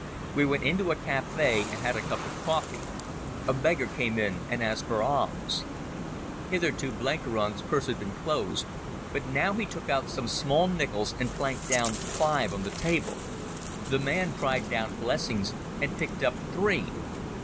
We went into a cafe and had a cup of coffee. A beggar came in and asked alms. Hitherto Blenkiron's purse had been closed, but now he took out some small nickels and planked five down on the table. The man cried down blessings and picked up three.